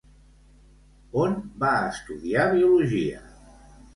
On va estudiar Biologia?